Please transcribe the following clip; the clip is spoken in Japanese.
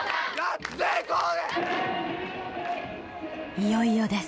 いよいよです。